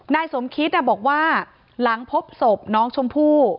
นายสมคิตบอกว่าหลังพบศพน้องชมพู่